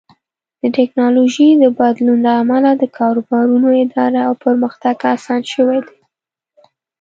د ټکنالوژۍ د بدلون له امله د کاروبارونو اداره او پرمختګ اسان شوی دی.